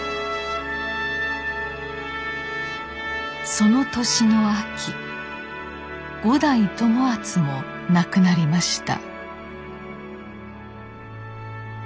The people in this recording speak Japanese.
その年の秋五代友厚も亡くなりました。